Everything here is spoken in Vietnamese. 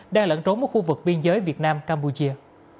đang lẫn trốn ở khu vực biên giới việt nam campuchia